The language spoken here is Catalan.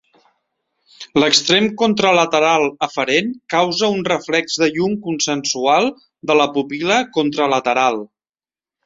L'extrem contralateral eferent causa un reflex de llum consensual de la pupil·la contralateral.